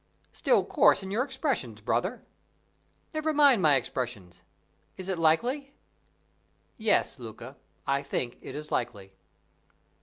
"Still coarse in your expressions, brother!" "Never mind my expressions. Is it likely?" "Yes, Luca, I think it is likely."